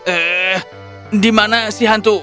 eh di mana si hantu